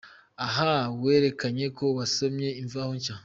Aha werekanye ko wasomye Imvaho Nshya.